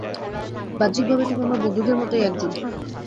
বাহ্যিক ভাবে তুমি আমার বন্ধুদের মতোই একজন।